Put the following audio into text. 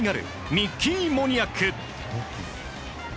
ミッキー・モニアック。